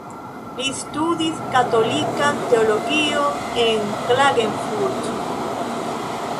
Li studis katolikan Teologion en Klagenfurt.